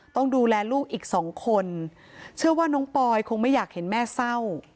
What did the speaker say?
ต้องดูแลลูกอีกสองคนเชื่อว่าน้องปอยคงไม่อยากเห็นแม่เศร้า